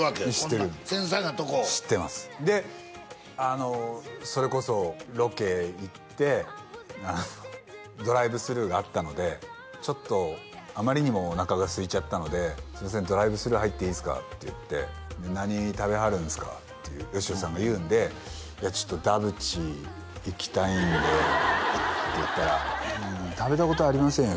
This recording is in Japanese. こんな繊細なとこを知ってますであのそれこそロケ行ってドライブスルーがあったのでちょっとあまりにもおなかがすいちゃったので「すいませんドライブスルー入っていいっすか」って言って「何食べはるんですか？」ってよしおさんが言うんで「いやちょっとダブチいきたいんで」って言ったら「食べたことありませんよ